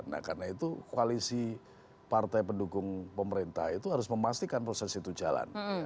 nah karena itu koalisi partai pendukung pemerintah itu harus memastikan proses itu jalan